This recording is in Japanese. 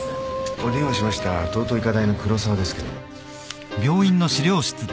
お電話しました東都医科大の黒沢ですけど。